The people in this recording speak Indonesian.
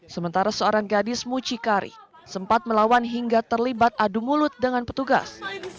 sementara seorang gadis mucikari sempat melawan hingga terlibat adu mulut dengan petugas